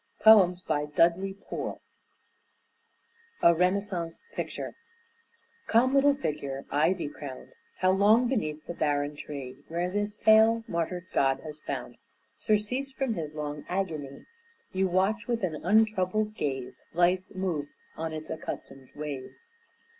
DUDLEY POORE A RENAISSANCE PICTURE Calm little figure, ivy crowned, How long beneath the barren tree Where this pale, martyred god has found Surcease from his long agony, You watch with an untroubled gaze Life move on its accustomed ways!